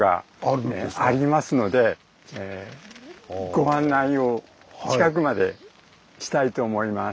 ご案内を近くまでしたいと思います。